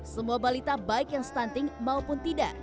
semua balita baik yang stunting maupun tidak